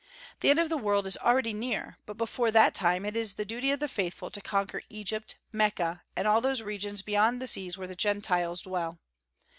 The end of the world is already near, but before that time it is the duty of the faithful to conquer Egypt, Mecca, and all those regions beyond the seas where the gentiles dwell.